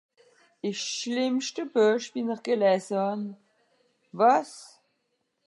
esch s'schlìmmste Beuch wie nr gelässe hàn wàs ?